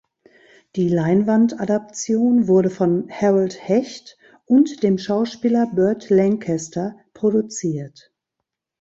Die Leinwandadaption wurde von Harold Hecht und dem Schauspieler Burt Lancaster produziert.